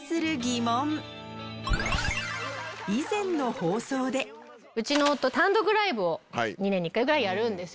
続いてはうちの夫単独ライブを２年に１回ぐらいやるんですよ。